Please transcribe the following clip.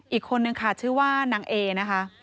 อีกคนนึงค่ะชื่อว่านางเอนะคะ